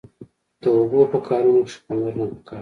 د اوبو په کارونه کښی پاملرنه پکار ده